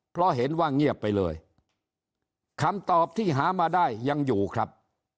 เพราะเห็นว่าเงียบไปเลยคำตอบที่หามาได้ยังอยู่ครับ